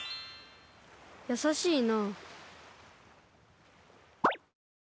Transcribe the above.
やさしいな。